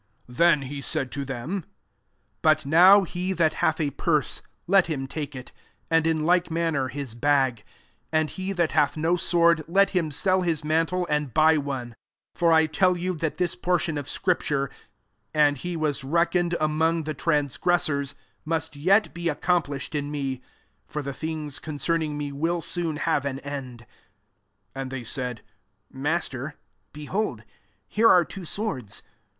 36 Then he said to them, But now he that hath a purse, let him take it ; and in like manner hU bag : and he that hath no sword, let him sell his mantle, and buy one. 37 For I tell you, that this portion of scripture, * And he was reckoned among the trans gressors,' must [yet] be accom plished in me: for the things concerning me ft^ coon have ati end." 38 And they said ^^ Masters behold, here are two swords."